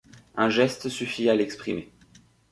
Un geste suffit à l’exprimer.